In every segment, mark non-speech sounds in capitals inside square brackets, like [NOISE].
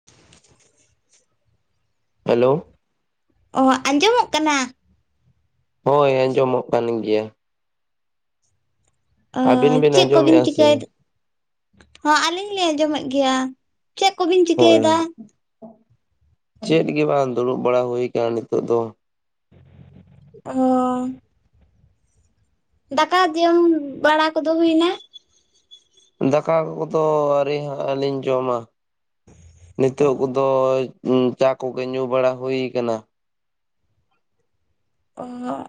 [INAUDIBLE] Hello ᱚ ᱟᱸᱡᱚᱢᱚᱜ ᱠᱟᱱᱟ ᱦᱳᱭ ᱟᱸᱡᱚᱢᱚᱜ ᱠᱟᱱ ᱜᱮᱭᱟ ᱟᱹᱵᱤᱱ ᱵᱤᱱ ᱪᱮᱫ ᱠᱚᱵᱤᱱ ᱟᱸᱡᱚᱢᱮᱫᱼᱟ ᱥᱮ ᱪᱤᱠᱟᱹᱭᱮᱫ ᱦᱚᱸ ᱟᱹᱞᱤᱞᱤᱧ ᱟᱸᱡᱚᱢᱮᱫ ᱜᱮᱭᱟ ᱪᱮᱫ ᱠᱚᱵᱤᱱ ᱦᱳᱭ ᱪᱤᱠᱟᱹᱭᱮᱫᱟ ᱪᱮᱫ ᱜᱮ ᱵᱟᱝ ᱫᱩᱲᱩᱵ ᱵᱟᱲᱟ ᱦᱩᱭ ᱟᱠᱟᱱᱟ ᱱᱤᱛᱚᱜ ᱫᱚ ᱚ ᱫᱟᱠᱟ ᱡᱚᱢ ᱵᱟᱲᱟ ᱠᱚᱫᱚ ᱦᱩᱭᱱᱟ ᱫᱟᱠᱟ ᱠᱚᱫᱚ ᱟᱹᱣᱨᱤ ᱦᱟᱸᱜ ᱞᱤᱧ ᱡᱚᱢᱟ ᱱᱤᱛᱚᱜ ᱠᱚᱫᱚ ᱪᱟ ᱠᱚᱜᱮ ᱧᱩ ᱵᱟᱲᱟ ᱦᱩᱭ ᱟᱠᱟᱱᱟ ᱚᱦᱚᱜ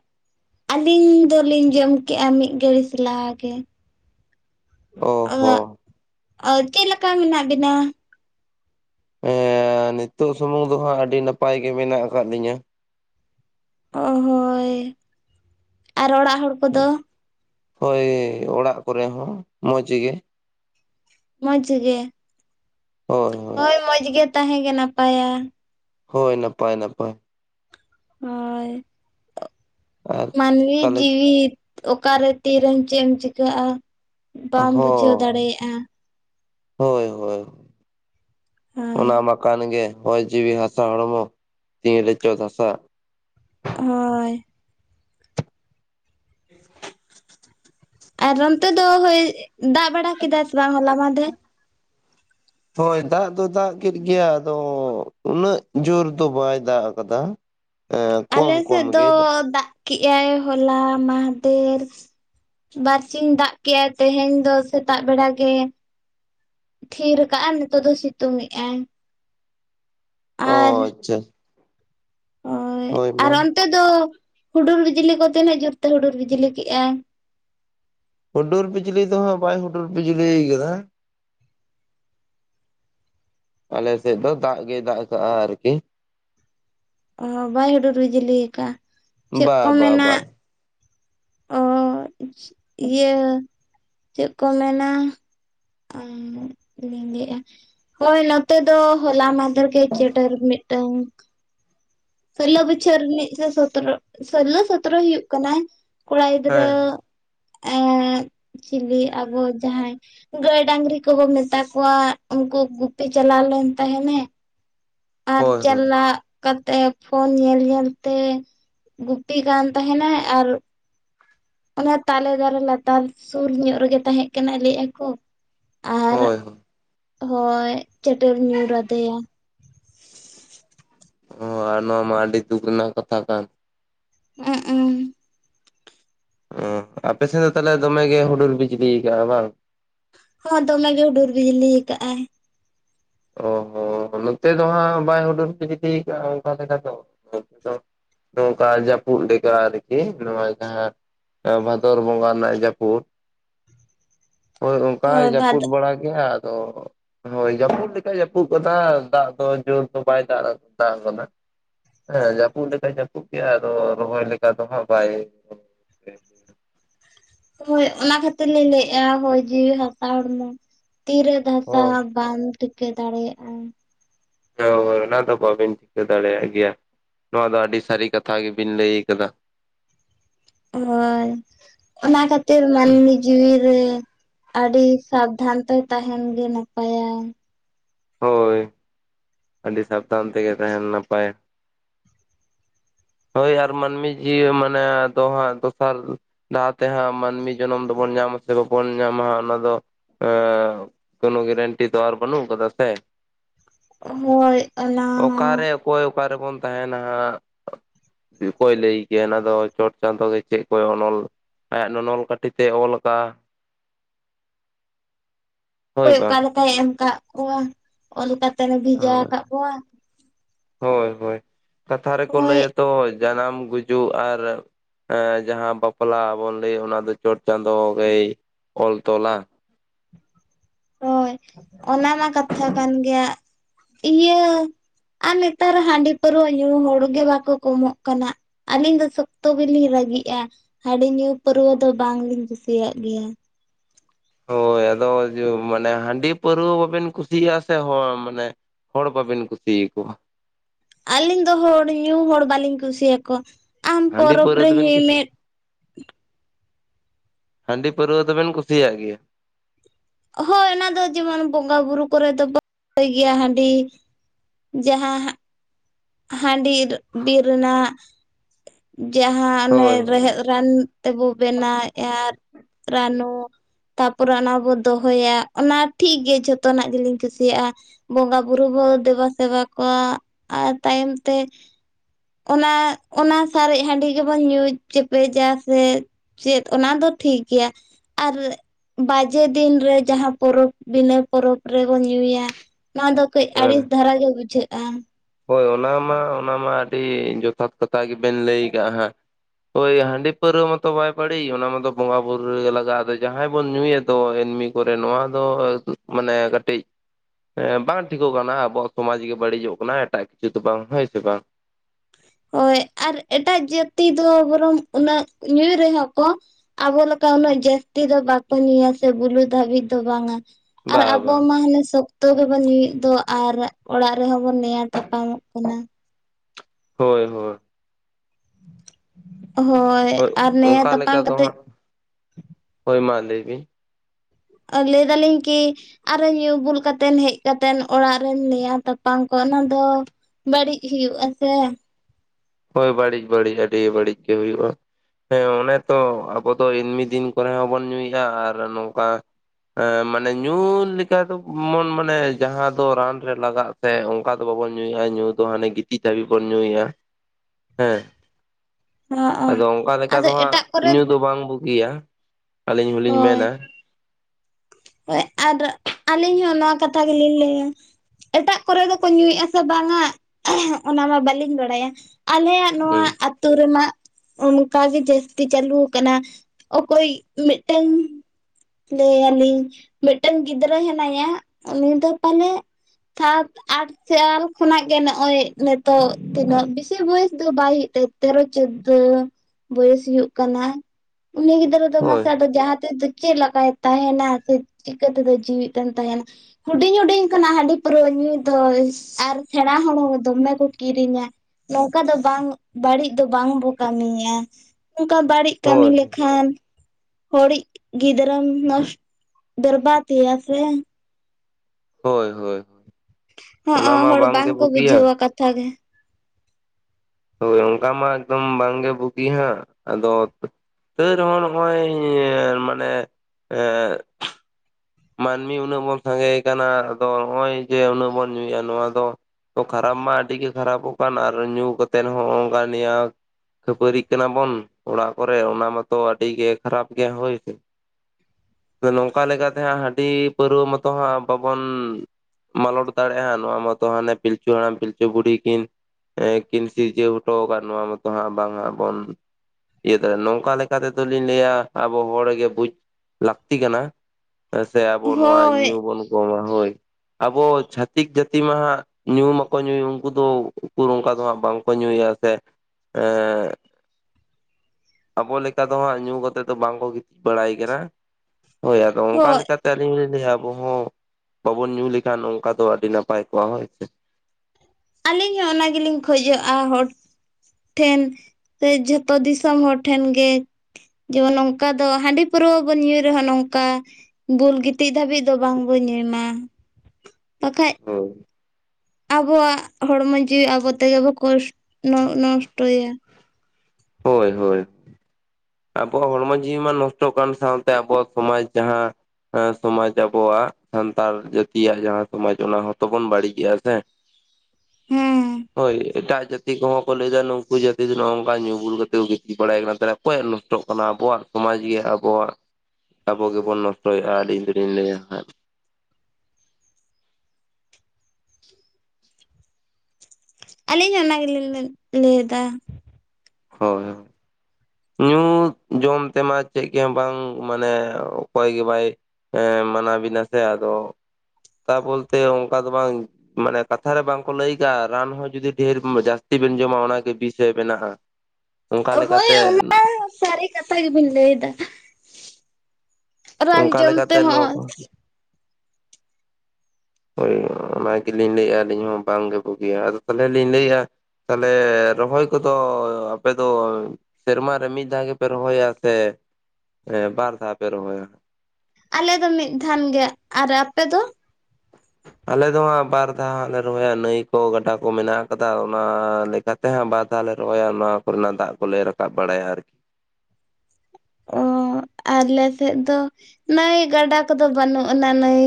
ᱟᱹᱞᱤᱧ ᱫᱚᱞᱤᱧ ᱡᱚᱢᱠᱮᱜᱼᱟ ᱢᱤᱫ ᱜᱷᱟᱹᱲᱤᱡ ᱞᱟᱦᱟ ᱜᱮ ᱚ ᱦᱚᱸ ᱚ ᱪᱮᱫ ᱞᱮᱠᱟ ᱢᱮᱱᱟᱜ ᱵᱤᱱᱟ ᱮᱸ ᱱᱤᱛᱳᱜ ᱥᱩᱢᱩᱝ ᱫᱚ ᱦᱟᱸᱜ ᱟᱹᱰᱤ ᱱᱟᱯᱟᱭ ᱜᱮ ᱢᱮᱱᱟᱜ ᱟᱠᱟᱫ ᱞᱤᱧᱟᱹ ᱚ ᱦᱳᱭ ᱟᱨ ᱚᱲᱟᱜ ᱦᱚᱲ ᱠᱚᱫᱚ ᱦᱳᱭ ᱚᱲᱟᱜ ᱠᱚᱨᱮ ᱦᱚᱸ ᱢᱚᱡᱽ ᱜᱮ ᱢᱚᱡᱽ ᱜᱮ ᱦᱳᱭ ᱦᱳᱭ ᱢᱚᱸᱡᱽ ᱜᱮ ᱛᱟᱦᱮᱸ ᱜᱮ ᱱᱟᱯᱟᱭᱟ ᱦᱳᱭ ᱱᱟᱯᱟᱭ ᱱᱟᱯᱟᱭ ᱦᱳᱭ ᱟᱨ ᱢᱟᱹᱱᱢᱤ ᱛᱟᱦᱚᱞᱮ ᱡᱤᱣᱤᱫ ᱚᱠᱟᱨᱮ ᱛᱤᱨᱮᱢ ᱪᱮᱫ ᱮᱢ ᱪᱤᱠᱟᱹᱜᱼᱟ ᱵᱟᱢ ᱵᱩᱡᱷᱟᱹᱣ ᱦᱚᱸ ᱫᱟᱲᱮᱭᱟᱜᱼᱟ ᱦᱳᱭ ᱦᱳᱭ ᱦᱳᱭ ᱚᱱᱟ ᱢᱟ ᱠᱟᱱ ᱜᱮ ᱦᱚᱭ ᱡᱤᱣᱤ ᱦᱟᱥᱟ ᱦᱚᱲᱢᱚ ᱛᱤᱱ ᱨᱮ ᱪᱚ ᱫᱷᱟᱥᱟᱜ ᱦᱳᱭ [INAUDIBLE] ᱟᱨ ᱚᱱᱛᱮ ᱫᱚ ᱦᱳᱭ ᱫᱟᱜ ᱵᱟᱲᱟ ᱠᱮᱫᱟᱭ ᱥᱮ ᱵᱟᱝ ᱦᱚᱞᱟ ᱢᱟᱦᱫᱮᱨ ᱦᱳᱭ ᱫᱟᱜ ᱫᱚ ᱫᱟᱜ ᱠᱮᱫ ᱜᱮᱭᱟ ᱟᱫᱚ ᱩᱱᱟᱹᱜ ᱡᱳᱨ ᱫᱚ ᱵᱟᱭ ᱫᱟᱜ ᱟᱠᱟᱫᱟ ᱦᱮᱸ ᱠᱚᱢ ᱟᱞᱮ ᱠᱚᱢ ᱥᱮᱫ ᱫᱚ ᱜᱮ ᱫᱟᱜ ᱠᱮᱜᱼᱟᱭ ᱦᱚᱞᱟ ᱢᱟᱦᱫᱮᱨ ᱵᱟᱨ ᱥᱤᱧ ᱫᱟᱜ ᱠᱮᱜᱼᱟᱭ ᱛᱮᱦᱮᱧ ᱫᱚ ᱥᱮᱛᱟᱜ ᱵᱮᱲᱟ ᱜᱮ ᱛᱷᱤᱨ ᱟᱠᱟᱜᱼᱟᱭ ᱱᱤᱛᱚᱜ ᱫᱚ ᱥᱤᱛᱩᱝ ᱮᱼᱟᱭ ᱚᱸ ᱟᱪᱪᱷᱟ ᱦᱳᱭ ᱟᱨ ᱚᱱᱛᱮ ᱫᱚ ᱦᱩᱰᱩᱨ ᱵᱤᱡᱽᱞᱤ ᱠᱚ ᱛᱤᱱᱟᱹᱜ ᱡᱳᱨ ᱛᱮ ᱦᱩᱰᱩᱨ ᱵᱤᱡᱽᱞᱤ ᱠᱮᱼᱟᱭ ᱦᱩᱰᱩᱨ ᱵᱤᱡᱽᱞᱤ ᱫᱚᱦᱟᱸᱜ ᱵᱟᱭ ᱦᱩᱰᱩᱨ ᱵᱤᱡᱽᱞᱤ ᱟᱠᱟᱫᱟ ᱟᱞᱮ ᱥᱮᱫ ᱫᱚ ᱫᱟᱜ ᱜᱮᱭ ᱫᱟᱜ ᱠᱟᱜᱼᱟ ᱟᱨᱠᱤ ᱚᱸ ᱵᱟᱭ ᱦᱩᱰᱩᱨ ᱵᱤᱡᱽᱞᱤ ᱟᱠᱟᱼᱟ ᱵᱟ ᱵᱟ ᱵᱟ ᱚᱸ ᱤᱭᱟᱹ ᱪᱮᱫ ᱠᱚ ᱢᱮᱱᱟ ᱚᱸ ᱞᱤᱜᱤᱼᱟ ᱦᱳᱭ ᱱᱚᱛᱮ ᱫᱚ ᱦᱚᱞᱟ ᱢᱟᱫᱷ ᱱᱮᱛᱟᱨ ᱜᱮ ᱪᱮᱴᱟᱨ ᱢᱤᱫᱴᱟᱝ ᱥᱳᱞᱞᱳ ᱵᱚᱪᱷᱚᱨ ᱨᱤᱱᱤᱡ ᱥᱚᱛᱨᱚ ᱥᱳᱞᱞᱳ ᱥᱚᱛᱨᱚ ᱦᱩᱭᱩᱜ ᱠᱟᱱᱟᱭ ᱠᱚᱲᱟ ᱜᱤᱫᱽᱨᱟᱹ ᱦᱮᱸ ᱮᱸ ᱪᱤᱞᱤ ᱟᱵᱚ ᱡᱟᱦᱟᱸᱭ ᱜᱟᱹᱭ ᱰᱟᱝᱨᱤ ᱠᱚᱦᱚᱸ ᱢᱮᱛᱟ ᱠᱚᱣᱟ ᱩᱱᱠᱩ ᱜᱩᱯᱤ ᱪᱟᱞᱟᱣ ᱞᱮᱱ ᱛᱟᱦᱮᱸᱱᱮ ᱟᱨ ᱦᱳᱭ ᱦᱳᱭ ᱪᱟᱞᱟᱜ ᱠᱟᱛᱮᱜ ᱯᱷᱳᱱ ᱧᱮᱞ ᱧᱮᱞ ᱛᱮ ᱜᱩᱯᱤ ᱠᱟᱱ ᱛᱟᱦᱮᱸ ᱱᱟᱭ ᱟᱨ ᱚᱱᱟ ᱛᱟᱞᱮ ᱫᱟᱨᱮ ᱞᱟᱛᱟᱨ ᱥᱩᱨ ᱧᱚᱜ ᱨᱮᱜᱤ ᱛᱟᱦᱮᱸ ᱠᱟᱱᱟᱭ ᱞᱟᱹᱭᱮᱫ ᱠᱟᱱᱟ ᱠᱚ ᱦᱳᱭ ᱦᱳᱭ ᱦᱳᱭ ᱪᱮᱴᱮᱨ ᱧᱩᱨ ᱟᱫᱮᱭᱟ ᱚᱸ ᱟᱨ ᱱᱚᱣᱟ ᱢᱟ ᱟᱹᱰᱤ ᱫᱩᱠᱷ ᱨᱮᱱᱟᱜ ᱠᱟᱛᱷᱟ ᱠᱟᱱ [UNINTELLIGIBLE] ᱚᱸ ᱟᱯᱮ ᱥᱮᱫ ᱫᱚ ᱛᱟᱦᱚᱞᱮ ᱫᱚᱢᱮ ᱜᱮ ᱦᱩᱰᱩᱨ ᱵᱤᱡᱽᱞᱤ ᱟᱠᱟᱜᱼᱟ ᱵᱟᱝ ᱦᱚᱸ ᱫᱚᱢᱮ ᱜᱮ ᱜᱮᱰᱩᱨ ᱵᱤᱡᱽᱞᱤ ᱟᱠᱟ ᱟᱭ ᱚᱸ ᱦᱚᱸ ᱱᱚᱛᱮ ᱫᱚ ᱦᱟᱸᱜ ᱵᱟᱭ ᱦᱩᱰᱩᱨ ᱵᱤᱡᱽᱞᱤ ᱟᱠᱟᱼᱟ ᱚᱱᱠᱟ ᱞᱮᱠᱟ ᱫᱚ ᱟᱫᱚ ᱱᱚᱝᱠᱟ ᱡᱟᱹᱯᱩᱫ ᱞᱮᱠᱟ ᱟᱨᱠᱤ ᱱᱚᱣᱟ ᱡᱟᱦᱟᱸ ᱵᱷᱟᱫᱚᱨ ᱵᱚᱸᱜᱟ ᱨᱮᱱᱟᱜ ᱡᱟᱹᱯᱩᱫ [INAUDIBLE] ᱦᱳᱭ ᱚᱱᱠᱟ ᱦᱚᱭ ᱵᱟᱫ ᱡᱟᱹᱯᱩᱫ ᱵᱟᱲᱟ ᱠᱮᱼᱟ ᱟᱫᱚ ᱦᱳᱭ ᱡᱟᱹᱯᱩᱫ ᱡᱟᱹᱯᱩᱫ ᱠᱟ ᱫᱟᱜ ᱫᱚ ᱡᱳᱨ ᱫᱚ ᱵᱟᱭ ᱫᱟᱜ ᱟᱠᱟᱫᱟ ᱦᱮᱸ ᱡᱟᱹᱯᱩᱫ ᱞᱮᱠᱟᱭ ᱡᱟᱹᱯᱩᱫ ᱠᱮᱼᱟ ᱟᱫᱚ ᱨᱚᱦᱚᱭ ᱞᱮᱠᱟ ᱫᱚ ᱦᱟᱸᱜ ᱵᱟᱭ ᱦᱳᱭ ᱚᱱᱟ ᱠᱷᱟᱹᱛᱤᱨ ᱞᱤᱧ ᱞᱟᱹᱭᱮᱜᱼᱟ ᱦᱳᱭ ᱡᱤᱣᱤ ᱦᱟᱥᱟ ᱦᱚᱲᱢᱚ ᱛᱤᱨᱮ ᱫᱷᱟᱥᱟ ᱦᱳᱭ ᱵᱟᱢ ᱴᱷᱤᱠᱟᱹ ᱫᱟᱲᱮᱭᱟᱜᱼᱟ [UNINTELLIGIBLE] ᱚᱱᱟ ᱫᱚ ᱵᱟᱹᱵᱤᱱ ᱴᱷᱤᱠᱟᱹ ᱫᱟᱲᱮᱭᱟᱜ ᱜᱮᱭᱟ ᱱᱚᱣᱟ ᱫᱚ ᱟᱹᱰᱤ ᱥᱟᱹᱨᱤ ᱠᱟᱛᱷᱟ ᱜᱤᱵᱮᱱ ᱞᱟᱹᱭ ᱟᱠᱟᱫᱟ ᱦᱳᱭ ᱚᱱᱟ ᱠᱷᱟᱹᱛᱤᱨ ᱢᱟᱹᱱᱢᱤ ᱡᱤᱣᱤ ᱨᱮ ᱟᱹᱰᱤ ᱥᱟᱵᱫᱷᱟᱱ ᱛᱮ ᱛᱟᱦᱮᱱ ᱜᱮ ᱱᱟᱯᱟᱭᱟ᱾ ᱦᱳᱭ ᱟᱹᱰᱤ ᱥᱟᱵᱫᱷᱟᱱ ᱛᱮᱜᱮ ᱛᱟᱦᱮᱱ ᱱᱟᱯᱟᱭᱟ᱾ ᱦᱳᱭ ᱟᱨ ᱢᱟᱹᱱᱢᱤ ᱡᱤᱣᱤ ᱢᱟᱱᱮ ᱫᱚᱦᱟᱸᱜ ᱫᱚᱥᱟᱨ ᱞᱟᱦᱟ ᱛᱮᱦᱟᱸᱜ ᱢᱟᱹᱱᱢᱤ ᱡᱚᱱᱚᱢ ᱫᱚᱵᱚᱱ ᱧᱟᱢᱟ ᱥᱮ ᱵᱟᱵᱚᱱ ᱧᱟᱢᱟ ᱦᱟᱸᱜ ᱚᱱᱟ ᱫᱚ ᱮᱸ ᱠᱳᱱᱳ ᱜᱟᱹᱨᱮᱱᱴᱤ ᱫᱚ ᱟᱨ ᱵᱟᱹᱱᱩ ᱟᱠᱟᱫᱟ ᱥᱮ ᱦᱳᱭ ᱚᱱᱟ ᱚᱠᱟᱨᱮ ᱦᱚᱸ ᱚᱠᱚᱭ ᱚᱠᱟ ᱨᱮᱵᱚᱱ ᱛᱟᱦᱮᱸ ᱱᱟᱦᱟᱜ ᱚᱠᱚᱭ ᱞᱟᱹᱭ ᱠᱮᱭᱟ ᱚᱱᱟ ᱫᱚ ᱪᱚᱴ ᱪᱟᱸᱫᱳ ᱜᱮ ᱪᱮᱫ ᱠᱚᱭ ᱚᱱᱚᱞ ᱟᱭᱟᱜ ᱱᱚᱱᱚᱞ ᱠᱟᱹᱴᱷᱤ ᱛᱮ ᱚᱞ ᱟᱠᱟᱼᱟ [INAUDIBLE] ᱦᱳᱭ ᱚᱠᱚᱭ ᱚᱠᱟ ᱵᱟᱝ ᱞᱮᱠᱟᱭ ᱮᱢ ᱠᱟᱜ ᱠᱚᱣᱟ, ᱚᱞ ᱠᱟᱛᱮ ᱵᱷᱮᱡᱟ ᱦᱳᱭ ᱠᱟᱜ ᱠᱚᱣᱟ᱾ ᱦᱳᱭ ᱦᱳᱭ ᱠᱟᱛᱷᱟ ᱨᱮᱠᱚ ᱦᱳᱭ ᱞᱟᱹᱭᱟ ᱛᱚ ᱡᱟᱱᱟᱢ ᱜᱩᱡᱩᱜ ᱟᱨ ᱮᱸ ᱡᱟᱦᱟᱸ ᱵᱟᱯᱞᱟ ᱵᱚᱱ ᱞᱟᱹᱭ ᱚᱱᱟ ᱫᱚ ᱪᱚᱴ ᱪᱟᱸᱫᱳ ᱜᱮᱭ ᱚᱞ ᱛᱚᱞᱟ᱾ ᱦᱳᱭ, ᱚᱱᱟ ᱢᱟ ᱠᱟᱛᱷᱟ ᱠᱟᱱ ᱜᱮᱭᱟ ᱾ ᱤᱭᱟᱹ ᱟᱨ ᱱᱮᱛᱟᱨ ᱦᱟᱺᱰᱤ ᱯᱟᱹᱨᱩᱹ ᱧᱩ ᱦᱚᱲ ᱜᱮ ᱵᱟᱠᱚ ᱠᱚᱢᱚᱜ ᱠᱟᱱᱟ ᱾ ᱟᱹᱞᱤᱧ ᱫᱚ ᱥᱚᱠᱛᱚ ᱜᱮᱞᱤᱧ ᱨᱟᱹᱜᱤᱜᱼᱟ, ᱦᱟᱺᱰᱤ ᱧᱩ ᱯᱟᱹᱨᱩᱣᱟᱹ ᱫᱚ ᱵᱟᱝᱞᱤᱧ ᱠᱩᱥᱤᱭᱟᱜ ᱜᱮᱭᱟ ᱾ ᱦᱳᱭ, ᱟᱫᱚ ᱢᱟᱱᱮ ᱦᱟᱺᱰᱤ ᱯᱟᱹᱨᱩᱣᱟᱹ ᱵᱟᱵᱤᱱ ᱠᱩᱥᱤᱭᱟᱜᱼᱟ ᱥᱮ, ᱦᱚᱲ ᱢᱟᱱᱮ ᱦᱚᱲ ᱵᱟᱹᱵᱮᱱ ᱠᱩᱥᱤᱭᱟᱠᱚᱣᱟ? ᱟᱹᱞᱤᱧ ᱫᱚ ᱦᱚᱲ ᱧᱩ ᱦᱚᱲ ᱵᱟᱹᱞᱤᱧ ᱠᱩᱥᱤᱭᱟᱠᱚᱣᱟ, ᱟᱢ ᱦᱟᱺᱰᱤ ᱯᱚᱨᱚᱵᱽ ᱯᱟᱹᱣᱨᱟᱹ ᱨᱮ ᱫᱚᱵᱮᱱ ᱧᱩᱭ ᱠᱩᱥᱤ ᱢᱮ᱾ ᱦᱟᱺᱰᱤ ᱯᱟᱹᱨᱩᱣᱟᱹ ᱫᱚᱵᱮᱱ ᱠᱩᱥᱤᱭᱟᱜ ᱜᱮᱭᱟ ᱾ ᱦᱳᱭ, ᱚᱱᱟ ᱫᱚ ᱡᱮᱢᱚᱱ ᱵᱚᱸᱜᱟ ᱵᱩᱨᱩ ᱠᱚᱨᱮ ᱫᱚᱵᱚᱱ [INAUDIBLE] ᱜᱮᱭᱟ ᱦᱟᱺᱰᱤ ᱾ ᱡᱟᱦᱟᱸ ᱦᱟᱸᱜ ᱦᱟᱺᱰᱤ ᱵᱤᱨ ᱨᱮᱱᱟᱜ ᱡᱟᱦᱟᱸ ᱚᱱᱮ ᱦᱳᱭ ᱦᱳᱭ ᱨᱮᱦᱮ ᱨᱟᱱ ᱛᱮᱵᱚ ᱵᱮᱱᱟᱣᱮᱜᱼᱟ ᱨᱟᱱᱩ ᱾ ᱛᱟ ᱯᱚᱨᱮ ᱚᱱᱟ ᱵᱚ ᱫᱚᱦᱚᱭᱟ ᱚᱱᱟ ᱴᱷᱤᱠ ᱜᱮ ᱡᱷᱚᱛᱚ ᱱᱟᱜ ᱜᱮᱞᱤᱧ ᱠᱩᱥᱤᱭᱟᱜᱼᱟ᱾ ᱵᱚᱸᱜᱟ ᱵᱩᱨᱩ ᱵᱚᱸ ᱫᱮᱵᱟ ᱥᱮᱵᱟ ᱠᱚᱣᱟ ᱟᱨ ᱛᱟᱭᱚᱢ ᱛᱮ ᱚᱱᱟ ᱚᱱᱟ ᱥᱟᱨᱮᱡ ᱦᱟᱺᱰᱤ ᱜᱮᱵᱚᱱ ᱧᱩ ᱪᱮᱯᱮᱡᱟ ᱥᱮ ᱪᱮᱫ ᱚᱱᱟ ᱫᱚ ᱴᱷᱤᱠ ᱜᱮᱭᱟ᱾ ᱟᱨ ᱵᱟᱡᱮ ᱫᱤᱱ ᱨᱮ, ᱡᱟᱦᱟᱸ ᱯᱚᱨᱚᱵᱽ ᱵᱤᱱᱟᱹ ᱯᱚᱨᱚᱵᱽ ᱨᱮᱵᱚᱱ ᱧᱩᱭᱟ, ᱱᱚᱣᱟ ᱫᱚ ᱠᱟᱹᱡ ᱟᱹᱲᱤᱥ ᱦᱮᱸ ᱫᱷᱟᱨᱟ ᱜᱮ ᱵᱩᱡᱷᱟᱹᱜᱼᱟ ᱾ ᱦᱳᱭ, ᱚᱱᱟ ᱢᱟ ᱚᱱᱟ ᱢᱟ ᱟᱹᱰᱤ ᱡᱚᱛᱷᱟᱛ ᱠᱟᱛᱷᱟ ᱜᱮᱵᱮᱱ ᱞᱟᱹᱭ ᱠᱟᱜᱼᱟ ᱦᱟᱸᱜ ᱾ ᱦᱳᱭ, ᱦᱟᱺᱰᱤ ᱯᱟᱹᱨᱩᱣᱟᱹ ᱢᱟᱛᱚ ᱵᱟᱭ ᱯᱟᱹᱲᱤᱡ ᱚᱱᱟ ᱢᱟᱛᱚ ᱵᱚᱸᱜᱟ ᱵᱩᱨᱩ ᱨᱮᱜᱮ ᱞᱟᱜᱟ, ᱟᱫᱚ ᱡᱟᱦᱟᱸᱭ ᱵᱚᱱ ᱧᱩᱭᱟ ᱫᱚ ᱮᱢᱱᱤ ᱠᱚᱨᱮ ᱱᱚᱣᱟ ᱫᱚ ᱢᱟᱱᱮ ᱠᱟᱹᱴᱤᱡ ᱦᱮᱸ, ᱵᱟᱝ ᱴᱷᱤᱠᱚᱜ ᱠᱟᱱᱟ ᱟᱵᱚᱣᱟᱜ ᱥᱚᱢᱟᱡᱽ ᱜᱮ ᱵᱟᱹᱲᱤᱡᱚᱜ ᱠᱟᱱᱟ, ᱮᱴᱟᱜ ᱠᱤᱪᱷᱩ ᱫᱚ ᱵᱟᱝ ᱾ ᱦᱳᱭ ᱥᱮ ᱵᱟᱝ? ᱦᱳᱭ, ᱟᱨ ᱮᱴᱟᱜ ᱡᱟᱹᱛᱤ ᱫᱚ ᱵᱚᱨᱚᱝ ᱩᱱᱟᱹᱜ ᱧᱩᱭ ᱨᱮᱦᱚᱸ ᱠᱚ ᱟᱵᱚ ᱞᱮᱠᱟ ᱩᱱᱟᱹᱜ ᱡᱟᱹᱥᱛᱤ ᱫᱚ ᱵᱟᱠᱚ ᱧᱩᱭᱟ ᱥᱮ, ᱵᱩᱞᱩᱜ ᱫᱷᱟᱹᱵᱤᱡ ᱫᱚ ᱵᱟᱝᱟ ᱾ ᱟᱨ ᱵᱟ ᱟᱵᱚ ᱵᱟᱝ ᱢᱟ ᱦᱟᱱᱮ ᱥᱚᱠ ᱛᱚ ᱜᱮᱵᱚᱱ ᱧᱩᱭᱮᱜ ᱫᱚ ᱟᱨ ᱚᱲᱟᱜ ᱨᱮᱦᱚᱸ ᱵᱚᱱ ᱱᱮᱭᱟᱣ ᱛᱟᱯᱟᱢᱚᱜ ᱠᱟᱱᱟ ᱾ ᱦᱳᱭ ᱦᱳᱭ ᱾ ᱦᱳᱭ, ᱟᱨ ᱱᱮᱭᱟ ᱚᱱᱠᱟ ᱛᱟᱯᱟᱢ ᱞᱮᱠᱟ ᱫᱚ ᱠᱟᱛᱮ ᱦᱟᱸᱜ ᱦᱳᱭ, ᱢᱟ ᱞᱟᱹᱭ ᱵᱤᱱ᱾ ᱞᱟᱹᱭ ᱫᱟᱞᱤᱧ ᱠᱤ ᱟᱨᱚ ᱧᱩ ᱵᱩᱞ ᱠᱟᱛᱮᱢ ᱦᱮᱡ ᱠᱟᱛᱮᱢ ᱚᱲᱟᱜ ᱨᱮᱢ ᱱᱮᱭᱟᱣ ᱛᱟᱯᱟᱢ ᱠᱚ ᱚᱱᱟ ᱫᱚ ᱵᱟᱹᱲᱤᱡ ᱦᱩᱭᱩᱜᱼᱟ ᱥᱮ ᱾ ᱦᱳᱭ, ᱵᱟᱹᱲᱤᱡ ᱵᱟᱹᱲᱤᱡ ᱟᱹᱰᱤ ᱵᱟᱹᱲᱤᱡ ᱜᱮ ᱦᱩᱭᱩᱜᱼᱟ ᱾ ᱦᱮᱸ, ᱚᱱᱮ ᱛᱚ ᱟᱵᱚ ᱫᱚ ᱮᱢᱱᱤ ᱫᱤᱱ ᱠᱚᱨᱮ ᱦᱚᱸᱵᱚᱱ ᱧᱩᱭᱮᱜᱼᱟ ᱟᱨ ᱱᱚᱝᱠᱟ ᱮ ᱢᱟᱱᱮ ᱧᱩ ᱞᱮᱠᱟ ᱫᱚ ᱚᱱ ᱢᱟᱱᱮ ᱡᱟᱦᱟᱸ ᱫᱚ ᱨᱟᱱ ᱨᱮ ᱞᱟᱜᱟᱜ ᱥᱮ ᱚᱝᱠᱟ ᱫᱚ ᱵᱟᱵᱚᱱ ᱧᱩᱭᱟ ᱧᱩ ᱫᱚ ᱦᱟᱱᱮ ᱜᱤᱛᱤᱡ ᱫᱷᱟᱹᱵᱤᱡ ᱵᱚᱱ ᱧᱩᱭᱮᱜᱼᱟ ᱾ ᱦᱮᱸ, ᱦᱚᱸᱜᱼᱚ ᱟᱫᱚ ᱚᱱᱠᱟ ᱞᱮᱠᱟ ᱟᱫᱚ ᱫᱚ ᱦᱟᱸᱜ ᱮᱴᱟᱜ ᱠᱚᱨᱮ ᱧᱩ ᱫᱚ ᱵᱟᱝ ᱵᱩᱜᱤᱭᱟ ᱾ ᱟᱹᱞᱤᱧ ᱦᱚᱸᱞᱤᱧ ᱦᱳᱭ ᱢᱮᱱᱟ ᱾ ᱦᱳᱭ, ᱟᱨ ᱟᱹᱞᱤᱧ ᱦᱚᱸ ᱱᱚᱣᱟ ᱠᱟᱛᱷᱟ ᱜᱮ ᱞᱤᱧ ᱞᱟᱹᱭᱟ ᱾ ᱮᱴᱟᱜ ᱠᱚᱨᱮ ᱫᱚᱠᱚ ᱧᱩᱭᱮᱜᱼᱟ ᱥᱮ ᱵᱟᱝᱟ ᱚᱱᱟ ᱢᱟ ᱵᱟᱹᱞᱤᱧ ᱵᱟᱲᱟᱭᱟ ᱾ ᱟᱞᱮᱭᱟᱜ ᱱᱚᱣᱟ ᱦᱩᱸ ᱟᱛᱳ ᱨᱮᱢᱟ ᱚᱱᱠᱟ ᱜᱮ ᱡᱟᱹᱥᱛᱤ ᱪᱟᱹᱞᱩ ᱠᱟᱱᱟ ᱾ ᱚᱠᱚᱭ ᱢᱤᱫᱴᱮᱱ ᱞᱟᱹᱭᱟ᱾ ᱞᱤᱧ ᱢᱤᱫᱴᱟᱝ ᱜᱤᱫᱽᱨᱟᱹ ᱦᱮᱱᱟᱭᱟ ᱩᱱᱤ ᱫᱚ ᱯᱟᱞᱮ ᱥᱟᱛ ᱟᱴ ᱥᱟᱞ ᱠᱷᱚᱱᱟᱜ ᱜᱮ ᱱᱚᱜᱼᱚᱭ ᱱᱤᱛᱚᱜ ᱛᱤᱱᱟᱹᱜ ᱵᱮᱥᱤ ᱵᱚᱭᱮᱥ ᱫᱚ ᱵᱟᱭ ᱦᱩᱭᱩᱜ ᱛᱟᱭᱟ ᱛᱮᱨᱚ ᱪᱳᱫᱫᱳ ᱵᱚᱭᱮᱥ ᱦᱩᱭᱩᱜ ᱠᱟᱱᱟ ᱩᱱᱤ ᱜᱤᱫᱟᱹᱨ ᱫᱚ ᱦᱳᱭ ᱢᱟᱥᱮ ᱫᱚ ᱡᱟᱦᱟᱸ ᱛᱤᱥ ᱫᱚ ᱪᱮᱫ ᱞᱮᱠᱟᱭ ᱛᱟᱦᱮᱱᱟ ᱥᱮ ᱪᱤᱠᱟᱹ ᱛᱮᱫᱚ ᱡᱤᱣᱤᱫ ᱮᱢ ᱛᱟᱦᱮᱱᱟ ᱾ ᱦᱩᱰᱤᱧ ᱦᱩᱰᱤᱧ ᱠᱷᱟᱱᱟ ᱦᱟᱺᱰᱤ ᱯᱟᱹᱨᱩᱣᱟᱹᱭ ᱧᱩᱭ ᱫᱚᱭ ᱾ ᱟᱨ ᱥᱮᱬᱟ ᱦᱚᱲ ᱦᱚᱸ ᱫᱚᱢᱮ ᱠᱚ ᱠᱤᱨᱤᱧᱟ ᱾ ᱱᱚᱝᱠᱟ ᱫᱚ ᱵᱟᱝ ᱵᱟᱹᱲᱤᱡ ᱫᱚ ᱵᱟᱝ ᱵᱚ ᱠᱟᱹᱢᱤᱭᱟ, ᱚᱝᱠᱟ ᱵᱟᱹᱲᱤᱡ ᱠᱟᱹᱢᱤ ᱦᱳᱭ ᱞᱮᱠᱷᱟᱱ ᱦᱚᱲᱤᱡ ᱜᱤᱫᱽᱨᱟᱢ ᱱᱚᱥ ᱵᱮᱨᱵᱟᱛ ᱮᱭᱟ ᱥᱮ ᱾ ᱦᱳᱭ ᱦᱳᱭ ᱦᱳᱭ ᱾ ᱦ ᱦᱚᱲᱲ ᱵᱟᱝᱠᱚ ᱵᱩᱡᱟᱹᱣᱟ ᱠᱟᱛ ᱜᱮ, ᱛᱳ ᱚᱱᱠᱟ ᱢᱟ ᱮᱠᱫᱚᱢ ᱵᱟᱝᱜᱮ ᱵᱩᱜᱤ ᱦᱟᱸᱜ ᱟᱫᱚ ᱾ ᱛᱭ ᱨᱮᱦᱚᱸ ᱱᱚᱜᱼᱚᱭ ᱢᱟᱱᱮ ᱢᱟᱹᱱᱢᱤ ᱩᱱᱟᱹᱜ ᱵᱚᱱ ᱥᱟᱸᱜᱮᱭ ᱠᱟᱱᱟ, ᱟᱫᱚ ᱱᱚᱜᱼᱚᱭ ᱡᱮ ᱩᱱᱟᱹᱜ ᱵᱚᱱ ᱧᱩᱭᱮᱫᱭᱟ ᱱᱚᱣᱟ ᱫᱚ, ᱛᱚ ᱠᱷᱟᱨᱟᱯ ᱢᱟ ᱟᱹᱰᱤ ᱜᱮ ᱠᱷᱟᱨᱟᱯᱚᱜ ᱠᱟᱱ, ᱟᱨ ᱧᱩ ᱠᱟᱛᱮᱮᱫ ᱦᱚᱸ ᱚᱱᱠᱟ ᱱᱤᱭᱟᱣᱹ ᱠᱷᱟᱹᱯᱟᱹᱨᱤᱜ ᱠᱟᱱᱟ ᱵᱚᱱ ᱚᱲᱟᱜ ᱠᱚᱨᱮ ᱚᱱᱟ ᱢᱟᱛᱚ ᱟᱹᱰᱤ ᱜᱮ ᱠᱷᱟᱨᱟᱯ ᱜᱮᱭᱟ ᱦᱳᱭ ᱥᱮ ᱱᱚᱝᱠᱟ ᱞᱮᱠᱟᱛᱮᱦᱟᱸᱜ ᱦᱟᱺᱰᱤ ᱯᱟᱹᱣᱟᱹ ᱢᱚᱛᱚ ᱦᱟᱸᱜ ᱵᱟᱵᱚᱱ ᱢᱟᱞᱚᱴ ᱫᱟᱲᱮᱭᱟᱜᱼᱟ ᱱᱚᱶᱟ ᱢᱟᱚᱛᱚ ᱦᱟᱱᱮ ᱯᱤᱞᱪᱩ ᱦᱟᱲᱟᱢ ᱯᱤᱞᱪᱩ ᱵᱩᱲᱦᱤ ᱠᱤᱱ ᱠᱤᱱᱥᱤ ᱡᱮᱣ ᱦᱚᱴᱚᱠᱫ ᱱᱚᱣᱟ ᱢᱚᱛᱚ ᱦᱟᱸᱜ ᱵᱟᱝ ᱦᱟᱜ ᱵᱚᱱ ᱤᱭᱟᱹ ᱫ ᱱᱚᱝᱠᱟ ᱞᱮᱠᱟ ᱞᱮᱠᱟᱛᱮ ᱫᱚ ᱞᱤᱧ ᱞᱟᱹᱭᱟ ᱟᱵᱚ ᱦᱚᱲ ᱜᱮ ᱵᱩᱡᱽ ᱞᱟᱹᱠᱛᱤ ᱠᱟᱱᱟ ᱾ ᱥᱮ ᱟᱵᱚ ᱱᱚᱣᱟ ᱦᱳᱭ ᱧᱩ ᱵᱚᱱ ᱠᱚᱢᱟ ᱦᱳᱭ ᱾ ᱟᱵᱚ ᱪᱷᱟᱛᱤᱠ ᱡᱟᱹᱛᱤ ᱢᱟ ᱦᱟᱸᱜ ᱧᱩ ᱢᱟᱠᱚ ᱧᱩᱭᱟ ᱩᱱᱠᱩ ᱫᱚ ᱩᱠᱩᱨ ᱚᱱᱠᱟ ᱫᱚ ᱦᱟᱸᱜ ᱵᱟᱝᱠᱚ ᱧᱩᱭᱟ ᱥᱮ ᱾ [UNINTELLIGIBLE] ᱟᱵᱚ ᱞᱮᱠᱟ ᱫᱚ ᱦᱟᱸᱜ ᱧᱩ ᱠᱟᱛᱮᱜ ᱫᱚ ᱵᱟᱝᱠᱚ ᱜᱤᱛᱤᱡ ᱵᱟᱲᱟᱭ ᱠᱟᱱᱟ ᱾ ᱦᱳᱭ ᱟᱫᱚ ᱚᱠᱟ ᱦᱳᱭ ᱞᱮᱠᱟᱛᱮ ᱟᱹᱞᱤᱧ ᱞᱤᱧ ᱞᱟᱹᱭᱟ ᱟᱵᱚᱦ ᱦᱚᱸ ᱵᱟᱵᱚᱱ ᱧᱩ ᱞᱮᱠᱷᱟᱱ ᱱᱚᱝᱠᱟ ᱫᱚ ᱟᱹᱰᱤ ᱱᱟᱯᱟᱭ ᱠᱚᱜ ᱦᱳᱭᱥᱮ ᱟᱹᱞᱤᱧ ᱦᱚᱸ ᱚᱱᱟ ᱜᱮᱞᱤᱧ ᱠᱷᱚᱡᱚᱜᱼᱟ, ᱦᱚᱲ ᱴᱷᱮᱱ ᱥᱮ ᱡᱷᱚᱛᱚ ᱫᱤᱥᱚᱢ ᱦᱚᱲ ᱴᱷᱮᱱ ᱜᱮ, ᱡᱮᱢᱚᱱ ᱱᱚᱝᱠᱟ ᱫᱚ ᱦᱟᱺᱰᱤ ᱯᱟᱹᱣᱨᱟᱹ ᱵᱚᱱ ᱧᱩᱭ ᱨᱮᱦᱚᱸ ᱱᱚᱝᱠᱟ ᱾ ᱵᱩᱞ ᱜᱤᱛᱤᱡ ᱫᱷᱟᱹᱵᱤᱡ ᱫᱚ ᱵᱟᱝᱵᱚᱱ ᱧᱩᱢᱟ ᱵᱟᱠᱷᱟᱡ ᱦᱳᱭ ᱟᱵᱚᱣᱟᱜ ᱦᱚᱲᱢᱚ ᱡᱤᱣᱤ ᱟᱵᱚ ᱛᱮᱜᱮ ᱵᱚ ᱠᱚᱥᱴ ᱱᱚᱥᱴᱚᱭᱟ ᱦᱳᱭ ᱦᱳᱭ ᱟᱵᱚᱣᱟᱜ ᱦᱚᱲᱢᱚ ᱡᱤᱣᱤ ᱢᱟ ᱱᱚᱥᱴᱚᱜ ᱠᱟᱱ ᱥᱟᱶᱛᱮ ᱟᱵᱚᱣᱟᱜ ᱥᱚᱢᱟᱡ ᱡᱟᱦᱟᱸ ᱾ ᱥᱚᱢᱟᱡ ᱟᱵᱚᱣᱟᱜ ᱥᱟᱱᱛᱟᱲ ᱡᱟᱛᱤᱭᱟᱜ ᱡᱟᱦᱟᱸ ᱥᱚᱢᱟᱡ ᱚᱱᱟ ᱦᱚᱸᱛᱚ ᱵᱚᱱ ᱵᱟᱹᱲᱤᱡ ᱜᱮᱭᱟ ᱥᱮ ᱾ ᱦᱮᱸ ᱦᱳᱭ ᱮᱴᱟᱜ ᱡᱟᱹᱛᱤ ᱠᱚᱦᱚᱸ ᱠᱚ ᱞᱟᱹᱭ ᱮᱫᱟ, ᱱᱩᱠᱩ ᱡᱟᱹᱛᱤ ᱫᱚ ᱱᱚᱜ ᱱᱚᱝᱠᱟ ᱧᱩ ᱵᱩᱞ ᱠᱟᱛᱮ ᱠᱚ ᱜᱤᱛᱤᱡ ᱵᱟᱲᱟᱭ ᱠᱟᱱᱟ ᱾ ᱛᱚ ᱚᱠᱚᱭ ᱱᱚᱥᱴᱚᱜ ᱠᱟᱱᱟ ᱟᱵᱚᱣᱟᱜ ᱥᱚᱢᱟᱡᱽ ᱜᱮ, ᱟᱵᱚᱣᱟᱜ ᱟᱵᱚ ᱜᱮᱵᱚᱱ ᱱᱚᱥᱴᱚᱭᱮᱫᱼᱟ, ᱟᱹᱰᱤ ᱤᱧ ᱫᱚᱞᱤᱧ ᱞᱟᱹᱭᱟᱸᱜ ᱾ ᱟᱹᱞᱤᱧ ᱦᱚ ᱚᱱᱟ ᱜᱮᱞᱤᱧ ᱞᱟᱹᱭ ᱮᱫᱟ ᱦᱳᱭ ᱦᱳᱭ, ᱧᱩ ᱡᱚᱢ ᱛᱮᱢᱟ ᱪᱮᱫ ᱜᱮᱦ ᱵᱟᱝ ᱢᱟᱱᱮ ᱚᱠᱚᱭ ᱜᱮ ᱵᱟᱭ ᱦᱮ ᱾ᱢᱟᱱᱟᱣ ᱵᱤᱱᱟ ᱥᱮ ᱟᱫᱚ ᱛᱟ ᱵᱚᱞᱛᱮ ᱚᱱᱠᱟ ᱫᱚ ᱵᱟᱝ ᱢᱟᱱᱮ ᱠᱟᱛᱷᱟ ᱨᱮ ᱵᱟᱝᱠᱚ ᱞᱟᱹᱭ ᱠᱟᱜᱼᱟ, ᱨᱟᱱ ᱦᱚᱸ ᱡᱩᱫᱤ ᱰᱷᱮᱨ ᱡᱟᱹᱥᱛᱤ ᱵᱮᱱ ᱡᱚᱢᱟ ᱚᱱᱟᱜᱮ ᱵᱤᱥᱮ ᱢᱮᱱᱟᱜᱼᱟ ᱾ ᱚᱱᱠᱟ ᱦᱳᱭ ᱞᱮᱠᱟᱛᱮ ᱚᱱᱟ ᱥᱟᱹᱨᱤ ᱠᱟᱛᱷᱟ ᱜᱮᱵᱤᱱ ᱞᱟᱹᱭ ᱮᱫᱟ ᱾ ᱨᱟᱱ ᱚᱱᱠᱟ ᱡᱚᱢ ᱞᱮᱠᱟᱛᱮ ᱱᱚᱣᱟ ᱛᱮᱦᱚᱸ ᱠᱚ ᱳᱭ ᱚᱱᱟ ᱜᱮᱞᱤᱧ ᱞᱟᱹᱭᱮᱜᱼᱟ ᱟᱹᱞᱤᱧ ᱦᱚᱸ ᱵᱟᱝᱜᱮ ᱵᱩᱜᱤᱭᱟ ᱟᱫᱚ ᱛᱟᱦᱚᱞᱮ ᱞᱤᱧ ᱞᱟᱹᱭᱮᱫᱼᱟ ᱛᱟᱦᱚᱞᱮ ᱨᱚᱦᱚᱭ ᱠᱚᱫᱚ ᱟᱯᱮᱫ ᱫᱚ ᱥᱮᱨᱢᱟᱟᱨ ᱨᱮ ᱢᱤᱫ ᱫᱷᱟᱣ ᱜᱮᱯᱮ ᱨᱚᱦᱚᱭᱟ ᱥᱮ ᱵᱟᱨ ᱫᱷᱟᱣ ᱯᱮ ᱨᱚᱦᱚᱭᱟ? ᱟᱞᱮ ᱫᱚ ᱢᱤᱫ ᱫᱷᱟᱣ ᱜᱮ, ᱟᱨ ᱟᱯᱮ ᱫᱚ? ᱟᱞᱮ ᱫᱚ ᱦᱟᱸᱜ ᱵᱟᱨ ᱫᱷᱟᱣ ᱦᱟᱸᱜ ᱞᱮ ᱨᱚᱦᱚᱭᱟ, ᱱᱟᱹᱭ ᱠᱚ ᱜᱟᱰᱟ ᱠᱚ ᱢᱮᱱᱟᱜ ᱟᱠᱟᱫᱟ ᱚᱱᱟ ᱞᱮᱠᱟᱛᱮ ᱾ ᱡᱟᱦᱟᱸ ᱵᱟᱨ ᱫᱷᱟᱚ ᱞᱮ ᱨᱚᱦᱚᱭᱟ ᱱᱚᱣᱟ ᱠᱚᱨᱮᱱᱟᱜ ᱫᱟᱜ ᱠᱚᱞᱮ ᱨᱟᱠᱟᱵ ᱵᱟᱲᱟᱭᱟ ᱟᱨᱠᱤ ᱾ ᱚ ᱟᱞᱮ ᱥᱮᱫ ᱫᱚ, ᱱᱟᱹᱭ ᱜᱟᱰᱟ ᱠᱚᱫᱚ ᱵᱟᱹᱱᱩᱜ ᱟᱱᱟ ᱱᱟᱹᱭ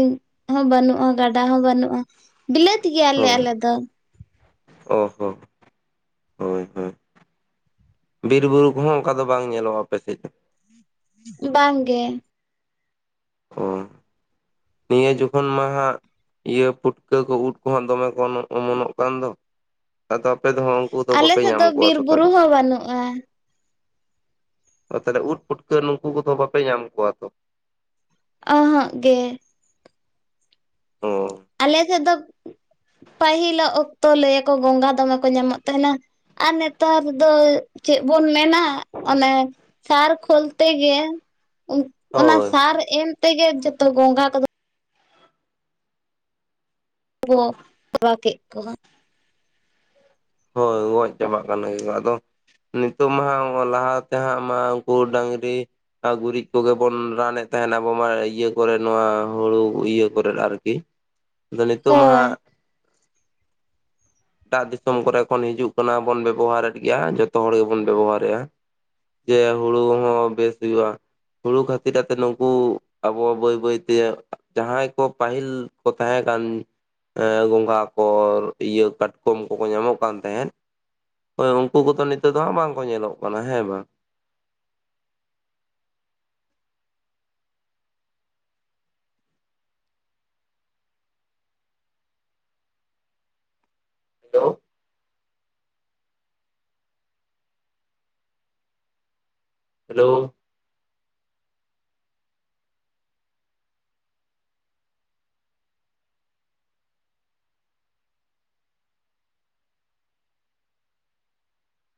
ᱦᱚᱸ ᱵᱟᱹᱱᱩᱜᱼᱟ, ᱜᱟᱰᱟ ᱦᱚᱸ ᱵᱟᱹᱱᱩᱜᱼᱟ ᱾ ᱵᱤᱞᱟᱹᱛ ᱜᱮᱭᱟᱞᱮ ᱦᱳᱭ ᱟᱞᱮ ᱫᱚ ᱾ ᱚ ᱦᱚᱸ ᱦᱳᱭ ᱦᱳᱭ ᱵᱤᱨᱵᱩᱨᱩ ᱠᱚᱦᱚᱸ ᱚᱱᱠᱟ ᱫᱚ ᱵᱟᱝ ᱧᱮᱞᱚᱜᱼᱟ ᱟᱯᱮᱥᱮᱫ ᱵᱟᱝ ᱜᱮ ᱚ ᱱᱤᱭᱟᱹ ᱡᱚᱠᱷᱚᱱ ᱢᱟ ᱦᱟᱜ ᱤᱭᱟᱹ ᱯᱩᱴᱠᱟᱹ ᱠᱚ ᱩᱫ ᱠᱚᱦᱚᱸ ᱫᱚᱢᱮ ᱠᱚ ᱚᱢᱚᱱᱚᱜ ᱠᱟᱱ ᱫᱚ ᱾ ᱟᱫᱚ ᱟᱯᱮ ᱫᱚᱦᱚ ᱩᱱᱠᱩ ᱫᱚ ᱟᱞᱮ ᱵᱟᱯᱮ ᱥᱮᱫ ᱧᱟᱢ ᱫᱚ ᱠᱚᱣᱟ ᱵᱤᱨ ᱛᱚ ᱵᱩᱨᱩ ᱛᱟᱦᱚᱞᱮ ᱾ ᱦᱚᱸ ᱵᱟᱹᱱᱩᱜᱼᱟ ᱛᱟᱦᱚᱞᱮ ᱩᱫ ᱯᱩᱴᱠᱟᱹ ᱱᱩᱠᱩ ᱠᱚᱫᱚ ᱵᱟᱯᱮ ᱧᱟᱢ ᱠᱚᱣᱟ ᱛᱚ ᱾ ᱟᱦᱟᱜ ᱜᱮ, ᱚ ᱟᱞᱮ ᱥᱮᱫ ᱫᱚ, ᱯᱟᱹᱦᱤᱞᱟᱜ ᱚᱠᱛᱚ ᱞᱟᱹᱭ-ᱟ ᱠᱚ ᱜᱚᱜᱟ ᱫᱚᱢᱮ ᱠᱚ ᱧᱟᱢᱚᱜ ᱛᱟᱦᱮᱱᱟ ᱾ ᱟᱨ ᱱᱮᱛᱟᱨ ᱫᱚ ᱪᱮᱫ ᱵᱚᱱ ᱢᱮᱱᱟ, ᱚᱱᱮ ᱥᱟᱨ ᱠᱷᱚᱞ ᱛᱮᱜᱮ, ᱚᱱᱟ ᱦᱳᱭ ᱥᱟᱨ ᱮᱢ ᱛᱮᱜᱮ ᱡᱚᱛᱚ ᱜᱚᱸᱜᱟ ᱠᱚᱫᱚ ᱜᱚ ᱯᱟᱨᱟᱣ ᱠᱮᱫ ᱠᱚ ᱦᱳᱭ ᱜᱚᱡ ᱪᱟᱵᱟᱜ ᱠᱟᱱ ᱜᱮ ᱠᱚ, ᱟᱫᱚ ᱱᱤᱛᱳ ᱢᱟ ᱦᱟᱜ ᱞᱟᱦᱟᱛᱮ ᱦᱟᱸᱜ ᱢᱟ ᱩᱱᱠᱩ ᱰᱟᱝᱨᱤ, ᱟᱨ ᱜᱩᱨᱤᱡ ᱠᱚᱜᱮ ᱵᱚᱱ ᱨᱟᱱᱮᱫ ᱛᱟᱦᱮᱱᱟ ᱟᱵᱚ ᱢᱟ ᱤᱭᱟᱹ ᱠᱚᱨᱮ ᱱᱚᱣᱟ ᱦᱩᱲᱩ ᱤᱭᱟᱹ ᱠᱚᱨᱮᱫ ᱟᱨᱠᱤ, [INAUDIBLE] ᱟᱫᱚ ᱱᱤᱛᱳ ᱢᱟ ᱦᱳᱭ ᱦᱟᱸ, ᱮᱴᱟᱜ ᱫᱤᱥᱚᱢ ᱠᱚᱨᱮ ᱠᱷᱚᱱ ᱦᱤᱡᱩᱜ ᱠᱟᱱᱟ ᱵᱚᱱ ᱵᱮᱵᱚᱦᱟᱨᱮᱫ ᱜᱮᱭᱟ ᱡᱚᱛᱚ ᱦᱚᱲ ᱜᱮᱵᱚᱱ ᱵᱮᱵᱚᱦᱟᱨᱮᱭᱟ ᱡᱮ ᱦᱩᱲᱩ ᱦᱚᱸ ᱵᱮᱥ ᱦᱩᱭᱩᱜ-ᱟ᱾ ᱦᱩᱲᱩ ᱠᱷᱟᱹᱛᱤᱨ ᱟᱛᱮ ᱱᱩᱠᱩ ᱟᱵᱚ ᱵᱟᱹᱭ ᱵᱟᱹᱭᱛᱮ ᱡᱟᱦᱟᱸᱭ ᱠᱚ ᱯᱟᱹᱦᱤᱞ ᱠᱚ ᱛᱟᱦᱮᱸ ᱠᱟᱱᱟ ᱵᱚᱸᱜᱟ ᱠᱚ, ᱤᱭᱟᱹ ᱠᱟᱴ ᱠᱟᱴᱠᱚᱢ ᱠᱚᱠᱚ ᱧᱟᱢᱚᱜ ᱠᱟᱱ ᱛᱟᱦᱮᱱ, ᱩᱱᱠᱩ ᱠᱚᱫᱚ ᱱᱤᱛᱚᱜ ᱫᱚ ᱦᱟᱸᱜ ᱵᱟᱝᱠᱚ ᱧᱮᱞᱚᱜ ᱠᱟᱱᱟ, ᱦᱮᱸ ᱵᱟᱝ? Hello hello